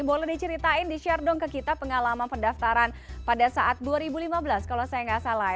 boleh diceritain di share dong ke kita pengalaman pendaftaran pada saat dua ribu lima belas kalau saya nggak salah